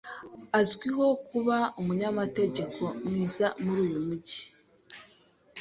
Azwiho kuba umunyamategeko mwiza muri uyu mujyi.